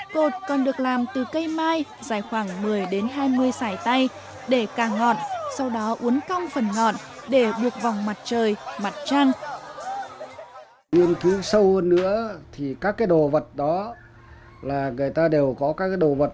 cột còn được làm từ cây mai dài khoảng một mươi đến hai mươi sải tay